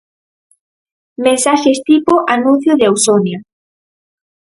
Mensaxes tipo anuncio de Ausonia.